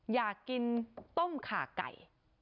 อยากกินต้มขาไก่